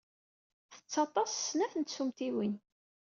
Tettaḍḍas s snat n tsumtiwin.